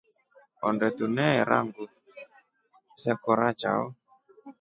Onde tuneera nguu zekora chao.